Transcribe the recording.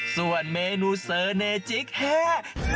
ส่วนเมนูเสน่ห์จริงแห้